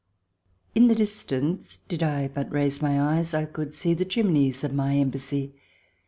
In the distance, did I but raise my eyes, I could see the chimneys of My Embassy.